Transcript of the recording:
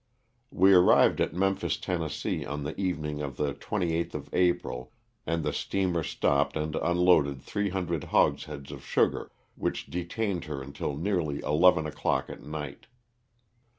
We arrived at Memphis, Tenn., on the evening of the 28th of April, and the steamer stopped and unloaded three hundred hogsheads of sugar which detained her until nearly eleven o'clock at night.